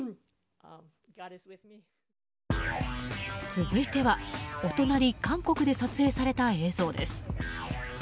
続いてはお隣・韓国で撮影された映像です。